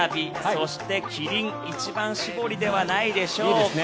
そしてキリン一番搾りではないでしょうか。